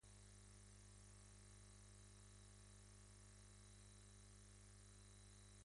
Constituye además un atractivo para los turistas que visitan la localidad.